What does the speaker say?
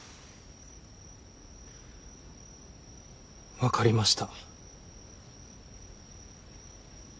分かりました。